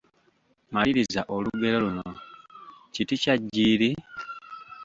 Maliriza olugero luno: Kiti kya jjiiri, …..